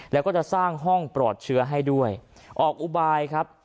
แล้วก็จะสร้างห้องปลอดเชื้อให้ด้วยออกอุบายครับ